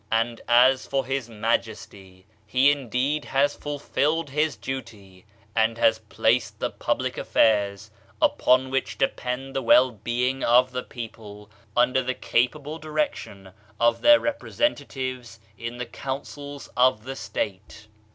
And as for his majesty, he indeed has fulfilled his duty, and has placed the public affairs, upon which depend the well being of the people, under the capable direc tion of their representatives in the Councils of the State.